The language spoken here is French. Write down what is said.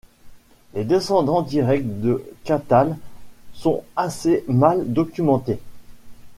Les descendants directs de Cathal sont assez mal documentés.